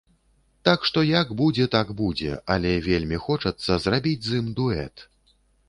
Так што, як будзе, так будзе, але вельмі хочацца зрабіць з ім дуэт.